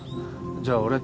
じゃあ俺と。